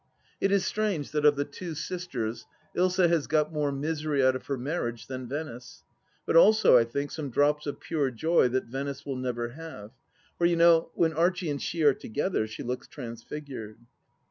... It is strange that, of the two sisters, Ilsa has got more misery out of her marriage than Venice, but also, I think, some drops of pure joy that Venice will never have. For, you know, when Archie and she are together, she looks transfigured